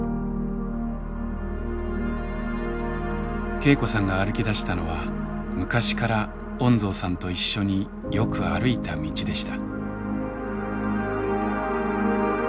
恵子さんが歩きだしたのは昔から恩蔵さんと一緒によく歩いた道でした。